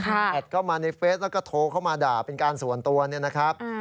แอดเข้ามาในเฟสแล้วก็โทรเข้ามาด่าเป็นการส่วนตัวเนี่ยนะครับ